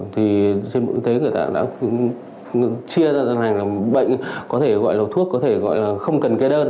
thì trên bệnh tế người ta đã chia ra ra là bệnh có thể gọi là thuốc có thể gọi là không cần kê đơn